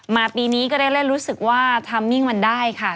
ปีนี้ก็ได้เล่นรู้สึกว่าทำมิ่งมันได้ค่ะ